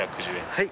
はい。